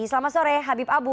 selamat sore habib abu